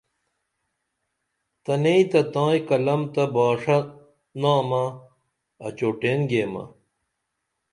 تنئیں تہ تائیں قلم تہ باشہ نامہ اچوٹین گیمہ